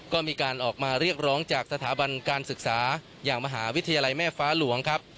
ก็มีการออกมาเรียกร้องจากสถาบันการศึกษาอย่างมหาวิทยาลัยแม่ฟ้าหลวงครับ